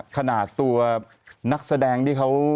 ขนาดตัวนักแสดงที่เขา